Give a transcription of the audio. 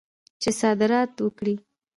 چې صادرات وکړي.